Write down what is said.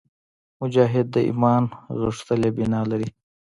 مجاهد د ایمان غښتلی بنیاد لري.